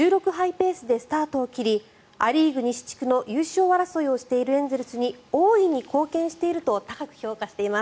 ペースでスタートを切りア・リーグ西地区の優勝争いをしているエンゼルスに大いに貢献していると高く評価しています。